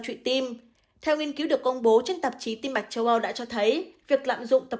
trụy tim theo nghiên cứu được công bố trên tạp chí tim mạch châu âu đã cho thấy việc lạm dụng tập